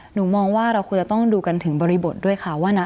หนูมองว่าเราควรจะต้องดูกันถึงบริบทด้วยค่ะว่านะ